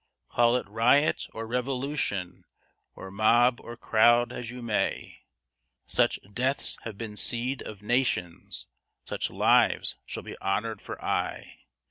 Call it riot or revolution, or mob or crowd, as you may, Such deaths have been seed of nations, such lives shall be honored for aye.